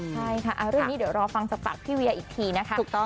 ใช่ค่ะเรื่องนี้เดี๋ยวรอฟังจากปากพี่เวียอีกทีนะคะ